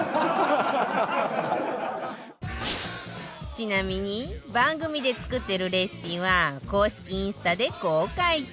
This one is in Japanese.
ちなみに番組で作ってるレシピは公式インスタで公開中